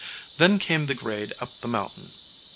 Then came the grade up the mountain.